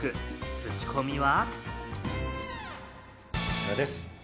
クチコミは？